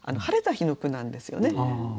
晴れた日の句なんですよね。